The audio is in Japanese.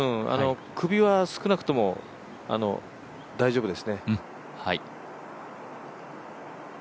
首は少なくとも大上手ですね。